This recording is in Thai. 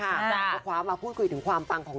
เอาความมาพูดคุยถึงความตังของ